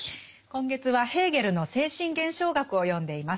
今月はヘーゲルの「精神現象学」を読んでいます。